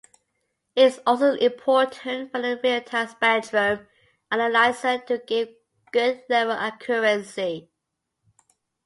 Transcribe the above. It is also important for the realtime spectrum analyzer to give good level accuracy.